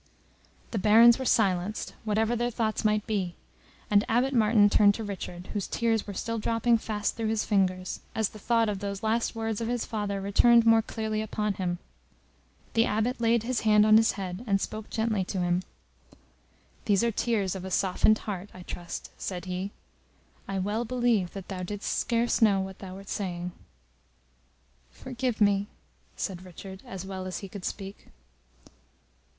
The Barons were silenced, whatever their thoughts might be, and Abbot Martin turned to Richard, whose tears were still dropping fast through his fingers, as the thought of those last words of his father returned more clearly upon him. The Abbot laid his hand on his head, and spoke gently to him. "These are tears of a softened heart, I trust," said he. "I well believe that thou didst scarce know what thou wert saying." "Forgive me!" said Richard, as well as he could speak.